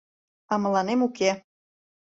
А мыланем уке.